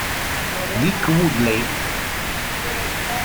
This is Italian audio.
Vic Woodley